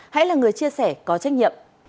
hãy là người chia sẻ có trách nhiệm